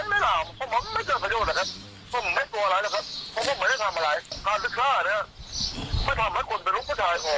คนระดับลูกดรเลยนะแต่ผมมันลูกภูมิ